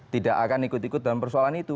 tidak akan ikut ikut dalam persoalan itu